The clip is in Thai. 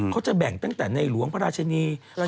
เขาจะแบ่งตั้งแต่ในหลวงพระราชนี